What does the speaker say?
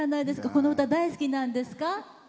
この歌、大好きなんですか？